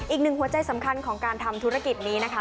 อีกหนึ่งหัวใจสำคัญของการทำธุรกิจนี้นะคะ